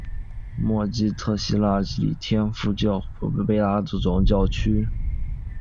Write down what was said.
默基特希腊礼天主教巴勒贝克总教区。